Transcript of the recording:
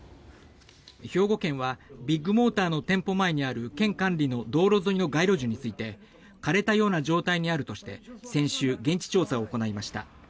兵庫県はビッグモーターの店舗前にある県管理の道路沿いの街路樹について枯れたような状態にあるとして先週、現地調査を行いました。